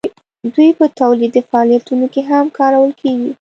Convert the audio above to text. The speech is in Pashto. دوی په تولیدي فعالیتونو کې هم کارول کیږي.